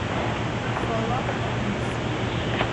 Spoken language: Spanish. Trollope o Mrs.